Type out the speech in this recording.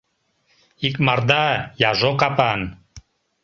Икмарда яжо капан.